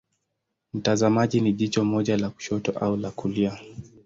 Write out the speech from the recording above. Mtazamaji ni jicho moja la kushoto au la kulia.